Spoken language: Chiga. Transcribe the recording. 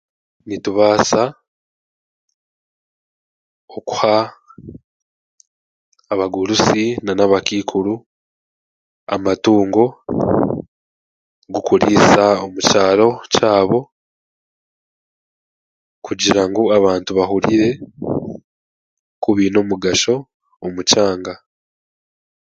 Nitubaasa okuha abagurusi nan'abakaikuru amatungo g'okuriisa omu kyaro kyabo kugira ngu abantu bahurire ku baine omugasho omu kyanga.